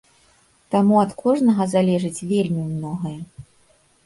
Таму ад кожнага залежыць вельмі многае.